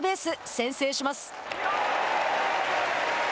先制します。